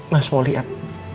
mas mau lihat